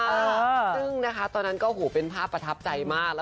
ซึ่งนะคะตอนนั้นก็หูเป็นภาพประทับใจมาก